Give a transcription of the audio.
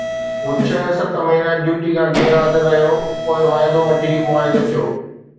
هو ڇهه ست مهينا ڊيوٽي کان غير حاضر رهيو، پوءِ واعدو وٺي معاهدو ٿيو.